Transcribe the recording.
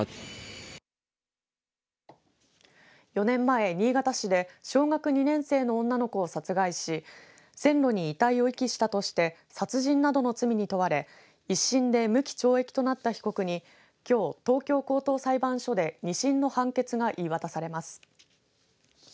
４年前、新潟市で小学２年生の女の子を殺害し線路に遺体を遺棄したとして殺人などの罪に問われ１審で無期懲役となった被告にきょう、東京高等裁判所で２審の判決が言い渡されます。